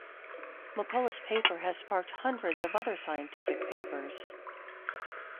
McCollough's paper has sparked hundreds of other scientific papers.